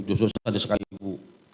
joso sadis sekali sama ibu